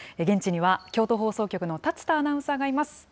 現地には京都放送局の竜田アナウンサーがいます。